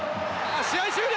試合終了！